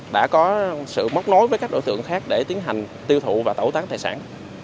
đã có sự móc nối với các đối tượng khác để tiến hành tiêu thụ và tẩu tán tài sản